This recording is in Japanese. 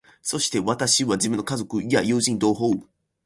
そして私は、自分の家族や友人、同胞などを考えてみると、とてもひどく恥かしくなりました。